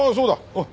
おい。